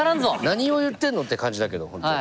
何を言ってんの？って感じだけど本当。